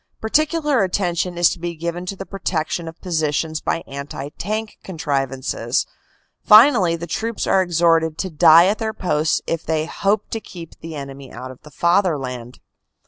Particular attention is to be given to the protec tion of positions by anti tank contrivances. Finally the troops are exhorted to die at their posts if they hope to keep the enemy out of the Fatherland.